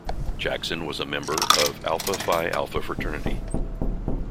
Jackson was a member of Alpha Phi Alpha fraternity.